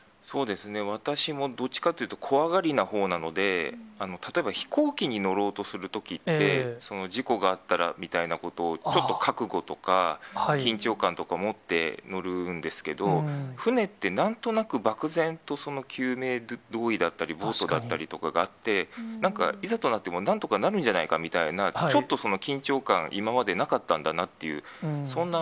私も、どっちかというと怖がりのほうなので、例えば飛行機に乗ろうとするときって、事故があったらみたいなことを、ちょっと覚悟とか、緊張感とか持って乗るんですけど、船ってなんとなくばくぜんと救命胴衣だったり、ボートだったりとかがあって、なんか、いざとなってもなんとかなるんじゃないかみたいな、ちょっと緊張感、今までなかったんだなっていう、そんな